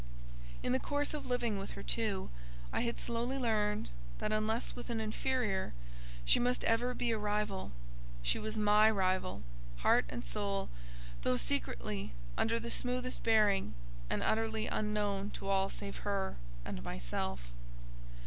In the course of living with her too, I had slowly learned, that, unless with an inferior, she must ever be a rival. She was my rival, heart and soul, though secretly, under the smoothest bearing, and utterly unknown to all save her and myself.